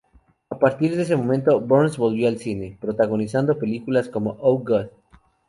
A partir de ese momento, Burns volvió al cine, protagonizando películas como "Oh, God!